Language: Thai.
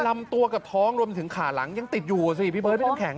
แต่ลำตัวกับท้องรวมถึงขาหลังยังติดอยู่สิพี่เบิ้ลไม่ต้องแข็ง